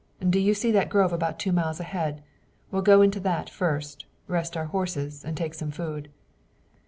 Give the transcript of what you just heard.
Do you see that grove about two miles ahead? We'll go into that first, rest our horses, and take some food."